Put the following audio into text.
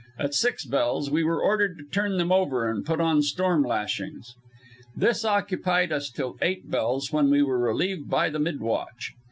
At six bells we were ordered to turn them over and put on storm lashings. This occupied us till eight bells, when we were relieved by the mid watch.